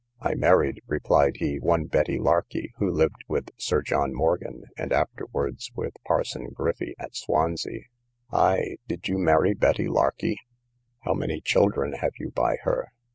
I married, replied he, one Betty Larkey, who lived with Sir John Morgan, and afterwards with parson Griffy, at Swansea. Ay, did you marry Betty Larkey?—how many children have you by her?